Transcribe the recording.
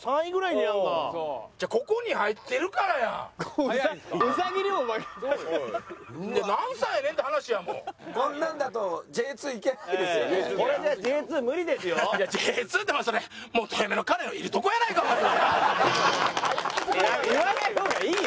言わない方がいいよ。